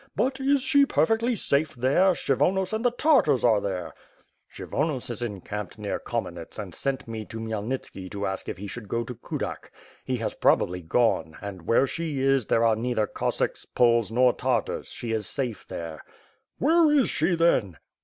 "But, is she perfectly safe there, Kshy vonos and the Tartars are there." "Kshyvonos is encamped near Kamenets and sent me to Khmyelnitski to ask if he should go to Kudak. He has prob ably gone, — and where she is, there are neither Cossacks, Poles nor Tartars — she is safe there." "Where is she then?"